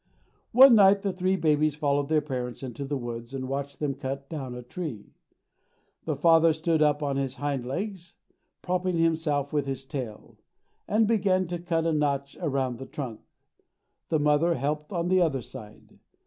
One night the three babies followed their parents into the woods and watched them cut down a tree. The father stood up on his hind legs, propping himself with his tail, and began to cut a notch around the trunk. The mother helped on the other side.